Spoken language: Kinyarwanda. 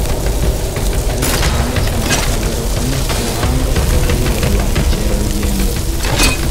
ariko cyane cyane agaruka no ku buhanga bw’abayobora ba mukerarugendo